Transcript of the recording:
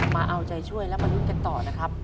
มาเอาใจช่วยและมาลุ้นกันต่อนะครับ